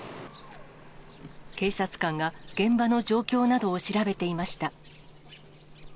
警察官が現場の状況などを調べていました。